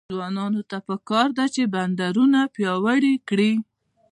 ځوانانو ته پکار ده چې، بندرونه پیاوړي کړي.